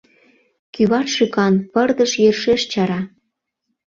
Кӱвар шӱкан, пырдыж йӧршеш чара.